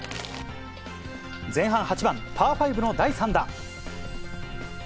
前半８番パー５の第３打。